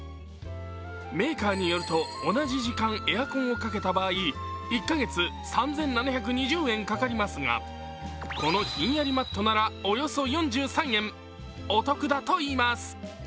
メーカーによると、同じ時間エアコンをかけた場合１か月３７２０円かかりますがこのひんやりマットなら、およそ４３円、お得だといいます。